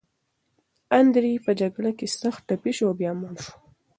اندرې په جګړه کې سخت ټپي شو او بیا مړ شو.